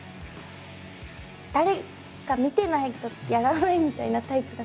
誰か見てないとやらないみたいなタイプだったりするんですよ。